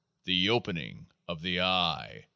the OP ening of THE EYE !